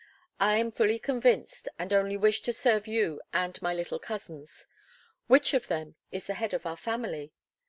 I am fully convinced, and only wish to serve you and my little cousins. Which of them is the head of our family?"